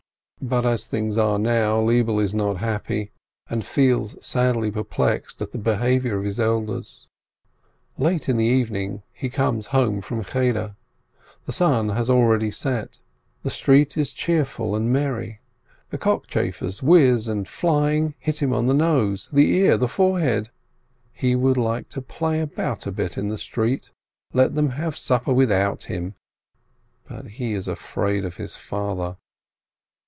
But as things are now, 386 Lebele is not happy, and feels sadly perplexed at the behavior of his elders. Late in the evening, he comes home from Cheder. The sun has already set, the street is cheerful and merry, the cockchafers whizz and, flying, hit him on the nose, the ear, the forehead. He would like to play about a bit in the street, let them have supper without him, but he is afraid of his father.